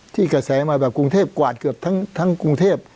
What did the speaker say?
ที่กระแสมาแบบกรุงเทพกวาดเกือบทั้งกรุงเทพ